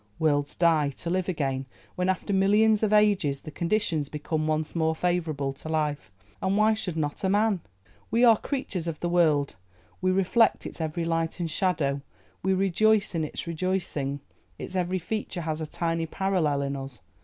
Worlds die, to live again when, after millions of ages, the conditions become once more favourable to life, and why should not a man? We are creatures of the world, we reflect its every light and shadow, we rejoice in its rejoicing, its every feature has a tiny parallel in us.